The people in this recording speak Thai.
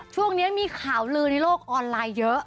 ช่วงนี้มีข่าวลือในโลกออนไลน์เยอะ